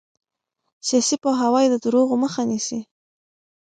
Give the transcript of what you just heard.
سیاسي پوهاوی د دروغو مخه نیسي